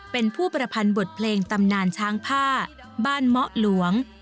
เป็นผู้ประพันธ์บทเพลงตำนานช้างผ้าบ้านเมาะหลวง